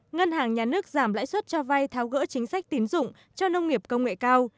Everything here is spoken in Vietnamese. ngân hàng nhà nước giảm lãi suất cho vay tháo gỡ chính sách tín dụng cho nông nghiệp công nghệ cao